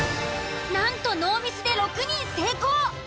なんとノーミスで６人成功。